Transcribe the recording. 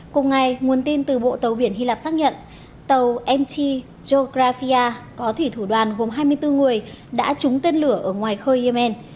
cùng ngày nguồn tin từ bộ tàu biển hy lạp xác nhận tàu mt geographia có thủy thủ đoàn gồm hai mươi bốn người đã trúng tên lửa ở ngoài khơi yemen